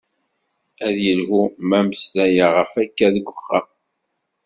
Ad yelhu ma meslayeɣ ɣef akka deg uxxam?